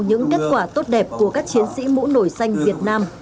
những kết quả tốt đẹp của các chiến sĩ mũ nổi xanh việt nam